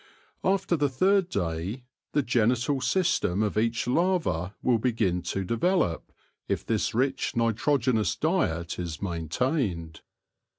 After the third day, the genital system of each larva will begin to develop, if this rich nitrogenous diet is maintained.